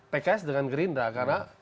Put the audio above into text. pks dengan gerindra karena